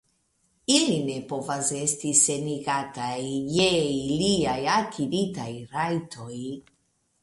Ili ne povas esti senigataj je iliaj akiritaj rajtoj.